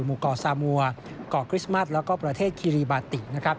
มุกรสามัวเกาะคริสมัสแล้วก็ประเทศคิริบาตินะครับ